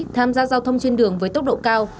tham gia giao thông trên đường với tốc độ cao